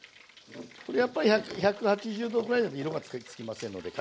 やっぱり１８０℃ぐらいだと色がつきませんので火力あげて。